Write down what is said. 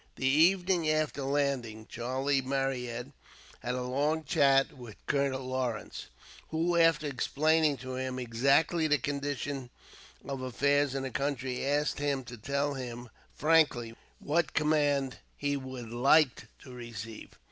The evening after landing, Charlie Marryat had a long chat with Colonel Lawrence; who, after explaining to him exactly the condition of affairs in the country, asked him to tell him, frankly, what command he would like to receive.